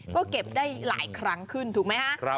ก็เก็บได้หลายครั้งขึ้นถูกไหมฮะ